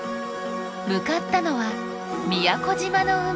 向かったのは宮古島の海。